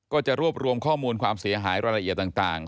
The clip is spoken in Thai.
ก็จะรวบรวมข้อมูลความเสียหายรายละเอียดต่าง